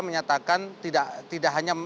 menyatakan tidak hanya